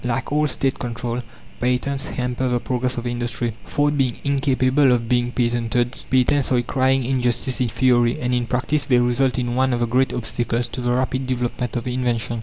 Like all State control, patents hamper the progress of industry. Thought being incapable of being patented, patents are a crying injustice in theory, and in practice they result in one of the great obstacles to the rapid development of invention.